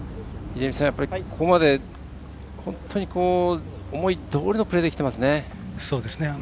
ここまで、本当に思いどおりのプレーできてますね。